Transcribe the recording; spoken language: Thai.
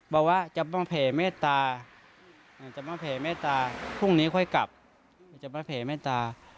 บอกว่าจะต้องแผ่เมตตาอาจจะมาแผ่เมตตาพรุ่งนี้ค่อยกลับจะมาแผ่เมตตา